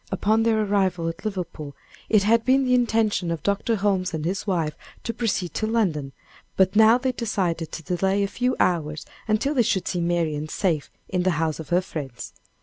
Upon their arrival at Liverpool, it had been the intention of Dr. Holmes and his wife to proceed to London; but now they decided to delay a few hours until they should see Marian safe in the house of her friends.